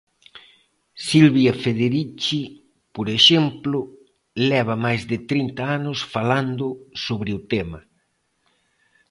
Silvia Federici, por exemplo, leva mais de trinta anos falando sobre o tema.